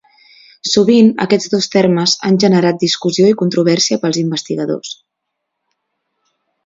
Sovint aquests dos termes han generat discussió i controvèrsia pels investigadors.